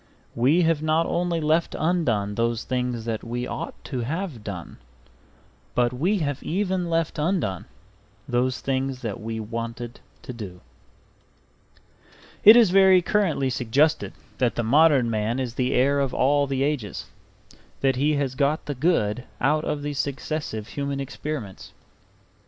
We have not only left undone those things that we ought to have done, but we have even left undone those things that we wanted to do It is very currently suggested that the modern man is the heir of all the ages, that he has got the good out of these successive human experiments.